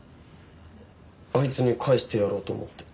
あいつに返してやろうと思って。